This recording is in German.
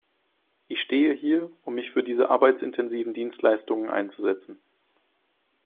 Ich stehe hier, um mich für diese arbeitsintensiven Dienstleistungen einzusetzen.